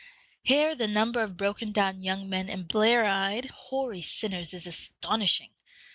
Here the number of broken down young men and blear eyed, hoary sinners is astonishing.